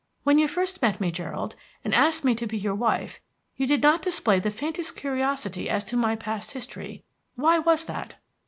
When you first met me, Gerald, and asked me to be your wife, you did not display the faintest curiosity as to my past history. Why was that?"